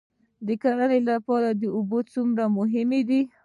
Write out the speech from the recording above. د کرنې لپاره اوبه څومره مهمې دي؟